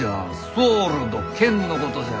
ソールド剣のことじゃ。